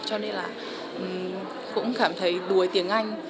cho nên là cũng cảm thấy đùi tiếng anh